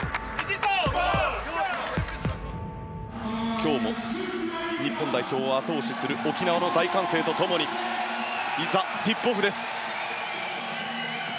今日も日本代表を後押しする沖縄の大歓声と共にいざ、ティップオフです。